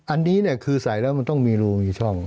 อันนี้คือใส่แล้วมันต้องมีรูมีช่อง